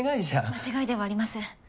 間違いではありません。